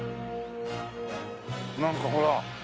なんかほら。